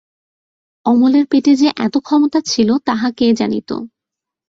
অমলের পেটে যে এত ক্ষমতা ছিল তাহা কে জানিত।